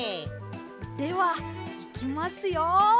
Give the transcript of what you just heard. ではいきますよ。